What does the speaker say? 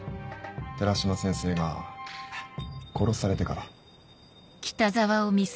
寺島先生が殺されてから。